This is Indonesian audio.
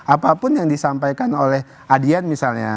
apapun yang disampaikan oleh adian misalnya